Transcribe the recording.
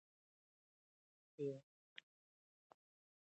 پېیر کوري د راډیوم کشف پایله تایید کړه.